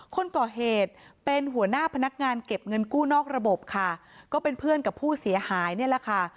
คนก่อเหตุเป็นหัวหน้าพนักงานเก็บเงินกู้นอกระบบค่ะก็เป็นเพื่อนกับผู้เสียหายนี่แหละค่ะ